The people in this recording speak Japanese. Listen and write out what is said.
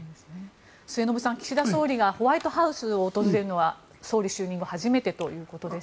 末延さん、岸田総理がホワイトハウスを訪れるのは総理就任後初めてということです。